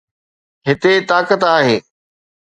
هتي طاقت آهي.